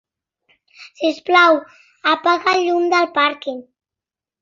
Si us plau, apaga el llum del pàrquing.